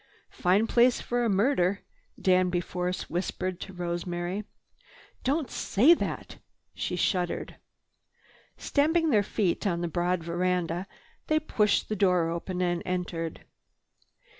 "Fine place for a murder," Danby Force whispered to Rosemary. "Don't say that!" She shuddered. Stamping their feet on the broad veranda, they pushed the door open and entered.